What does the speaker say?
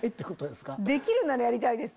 できるならやりたいです。